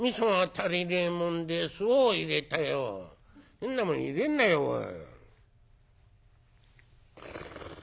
「変なもの入れんなよおい」。